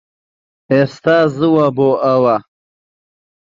ئێستا زووە بۆ ئەوە